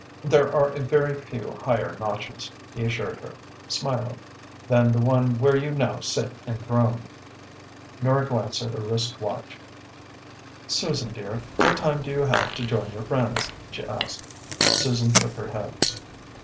"There are a very few higher notches," he assured her, smiling, "than the one where you now sit enthroned." Nora glanced at her wrist watch. "Susan dear, what time do you have to join your friends?" she asked. Susan shook her head.